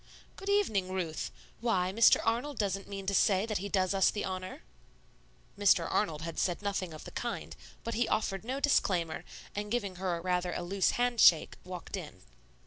"Good evening, Ruth; why, Mr. Arnold doesn't mean to say that he does us the honor?" Mr. Arnold had said nothing of the kind; but he offered no disclaimer, and giving her rather a loose hand shake, walked in.